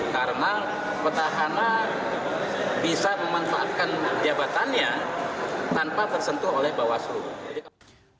karena petahana bisa memanfaatkan jabatannya tanpa tersentuh oleh bawah seluruh